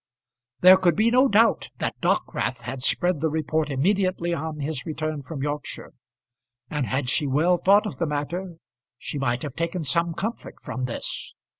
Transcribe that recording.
There could be no doubt that Dockwrath had spread the report immediately on his return from Yorkshire; and had she well thought of the matter she might have taken some comfort from this.